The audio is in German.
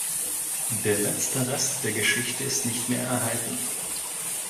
Der letzte Rest der Geschichte ist nicht mehr erhalten.